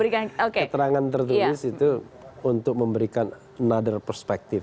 keterangan tertulis itu untuk memberikan nother perspective